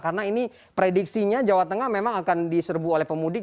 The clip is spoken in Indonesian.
karena ini prediksinya jawa tengah memang akan diserbu oleh pemudik